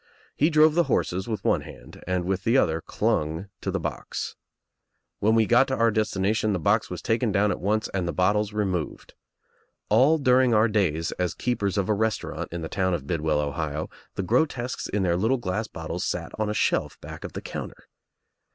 He drove the horses with one hand and with the other clung to the box. When we got to our destination the box was taken down at once and the bottles removed. All during our days as keepers of a restaurant in the town of Bidwell, Ohio, the gro tesques in their little glass bottles sat on a shelf back of the counter.